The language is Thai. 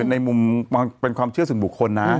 ในมุมเป็นความเชื่อส่วนบุคคลนะ